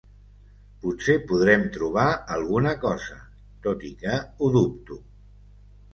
Potser podrem trobar alguna cosa, tot i que ho dubto.